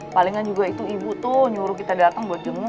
palingan juga itu ibu tuh nyuruh kita datang buat jenuh